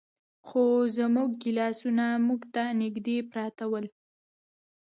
خو زموږ ګیلاسونه موږ ته نږدې پراته ول.